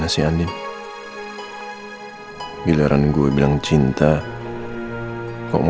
saya tunggu di luar